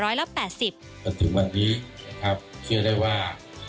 จนถึงวันนี้นะครับเชื่อได้ว่า